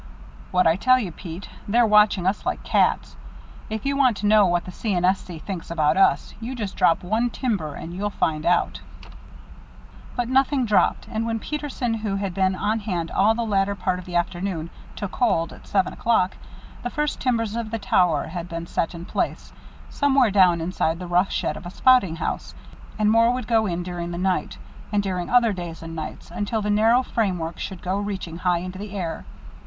"What'd I tell you, Pete? They're watching us like cats. If you want to know what the C. & S. C. think about us, you just drop one timber and you'll find out." But nothing dropped, and when Peterson, who had been on hand all the latter part of the afternoon, took hold, at seven o'clock, the first timbers of the tower had been set in place, somewhere down inside the rough shed of a spouting house, and more would go in during the night, and during other days and nights, until the narrow framework should go reaching high into the air.